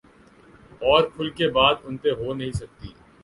اورکھل کے بات ان پہ ہو نہیں سکتی۔